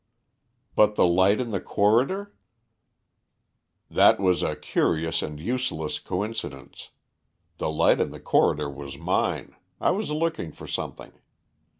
"But the light in the corridor?" "That was a curious and useless coincidence. The light in the corridor was mine. I was looking for something.